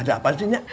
ada apa sih nya